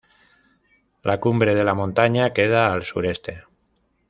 La cumbre de la montaña queda al sureste.